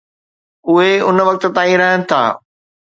اهي ان وقت تائين رهن ٿا.